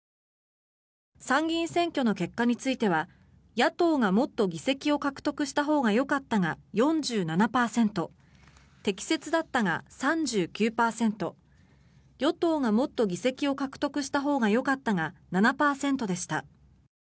参議院選挙の結果については野党がもっと議席を獲得したほうがよかったが４７％適切だったが３９％与党がもっと議席を獲得したほうがよかったが７％でした。